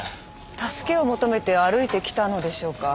助けを求めて歩いてきたのでしょうか？